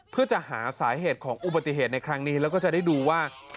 เพื่อจะหาสาเหตุของอุบัติเหตุในครั้งนี้แล้วก็จะได้ดูว่า